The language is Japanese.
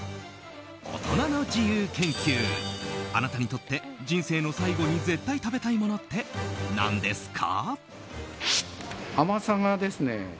大人の自由研究あなたにとって人生の最後に絶対食べたいものってなんですか？